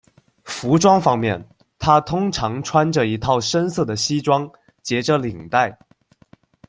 服装方面，他通常穿着一套深色的西装，结着领带。